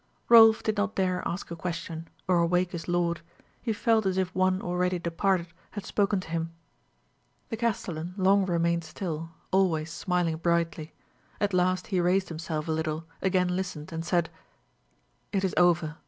Rolf did not dare ask a question, or awake his lord; he felt as if one already departed had spoken to him. The castellan long remained still, always smiling brightly. At last he raised himself a little, again listened, and said, "It is over.